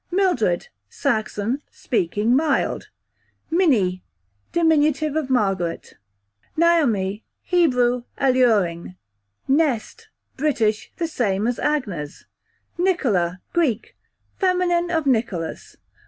Mildred, Saxon, speaking mild, Minnie, dim. of Margaret, q.v. Naomi, Hebrew, alluring. Nest, British, the same as Agnes, Nicola, Greek, feminine of Nicholas.